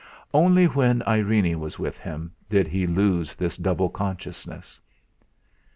Only when Irene was with him did he lose this double consciousness.